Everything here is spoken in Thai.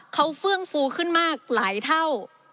เขาเฟื่องฟูขึ้นมากหลายเท่า